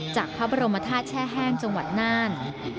จากพระบรมธาตุแช่แห้งจังหวัดน่าน